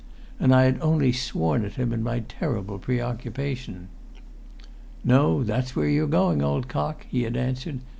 And I had only sworn at him in my terrible preoccupation. "No, that's where you're going, old cock!" he had answered.